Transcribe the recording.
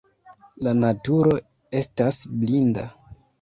La naturo estas blinda.